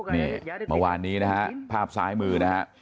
นี่เมื่อวานนี้นะฮะภาพซ้ายมือนะฮะ